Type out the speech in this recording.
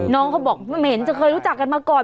น้องเขาบอกไม่เห็นจะเคยรู้จักกันมาก่อน